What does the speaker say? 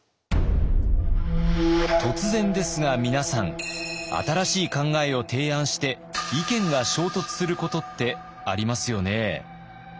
突然ですが皆さん新しい考えを提案して意見が衝突することってありますよね。